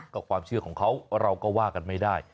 ก็ความเชื่อของเขาเราก็ว่ากันไม่ได้